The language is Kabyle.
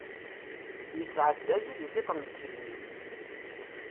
Yesɛedda-yi di tiṭ n tsegnit.